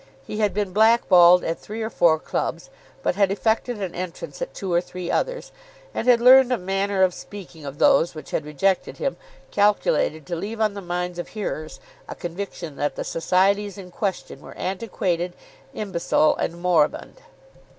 He had been black balled at three or four clubs, but had effected an entrance at two or three others, and had learned a manner of speaking of those which had rejected him calculated to leave on the minds of hearers a conviction that the societies in question were antiquated, imbecile, and moribund.